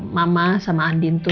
mama sama andin tuh